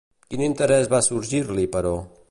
Quin interès va sorgir-li, però?